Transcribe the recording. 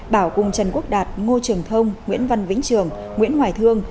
bảo cùng trần quốc đạt ngô trường thông nguyễn văn vĩnh trường nguyễn hoài thương